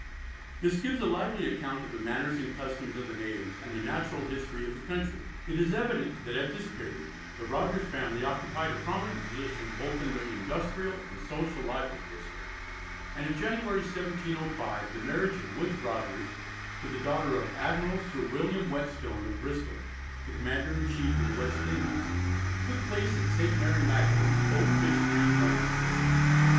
This gives a lively account of the manners and customs of the natives, and the natural history of the country. It is evident that at this period the Rogers family occupied a prominent position both in the industrial and social life of Bristol, and in January, 1705, the marriage of Woodes Rogers to the daughter of Admiral Sir William Whetstone, of Bristol, the Commander in Chief in the West Indies, took place at St. Mary Magdalen, Old Fish Street, London.